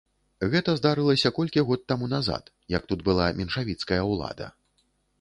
Гэта здарылася колькі год таму назад, як тут была меншавіцкая ўлада.